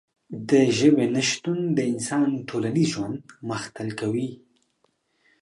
د ژبې نشتون د انسان ټولنیز ژوند مختل کوي.